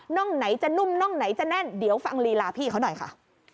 ่องไหนจะนุ่มน่องไหนจะแน่นเดี๋ยวฟังลีลาพี่เขาหน่อยค่ะ